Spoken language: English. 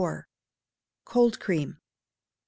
Cold Cream. i.